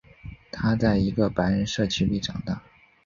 他在一个白人社区里长大。